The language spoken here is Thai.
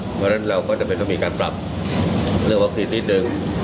เพราะฉะนั้นเราก็จะต้องมีการปรับเรื่องของคลิตนิดนึง